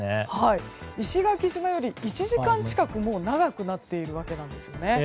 石垣島より１時間近く長くなっているわけなんです。